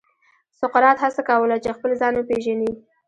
سقراط هڅه کوله چې خپل ځان وپېژني.